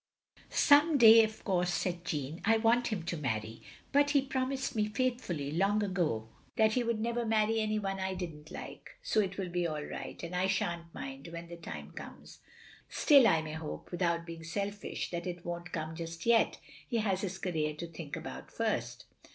" Some day, of course, " said Jeanne. " I want him to marry. But he promised me faithfully, long ago, that he would never marry any one I did n't like — so it will be all right, and I shan't mind — ^when the time comes. Still I may hope, without being selfish, that it won't come just yet. He has his career to think about first.